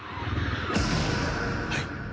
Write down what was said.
はい。